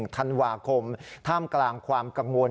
ธันวาคมท่ามกลางความกังวล